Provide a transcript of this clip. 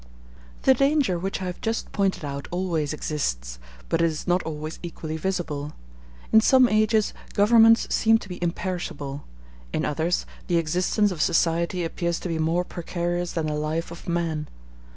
The danger which I have just pointed out always exists, but it is not always equally visible. In some ages governments seem to be imperishable; in others, the existence of society appears to be more precarious than the life of man.